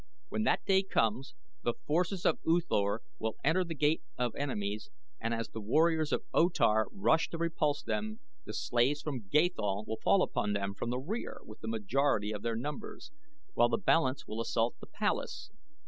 When that day comes the forces of U Thor will enter the Gate of Enemies and as the warriors of O Tar rush to repulse them the slaves from Gathol will fall upon them from the rear with the majority of their numbers, while the balance will assault the palace.